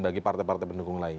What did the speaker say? bagi partai partai pendukung lain